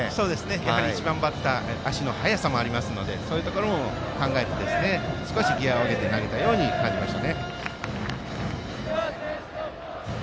やはり、１番バッター足の速さもありますのでそういうところも考えて少しギヤを上げて投げたように感じました。